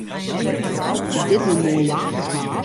Is dit no moai jagerswaar?